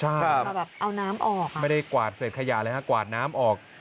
ใช่เอาน้ำออกไม่ได้กวาดเสร็จขยาเลยฮะกวาดน้ำออก